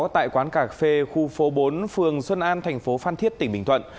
tại quán cà phê khu phố bốn phường xuân an thành phố phan thiết tỉnh bình thuận